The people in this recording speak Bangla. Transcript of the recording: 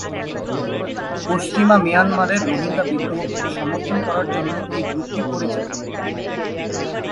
পশ্চিমা মিয়ানমারের রোহিঙ্গা বিদ্রোহকে সমর্থন করার জন্য এই গ্রুপটি পরিচিত।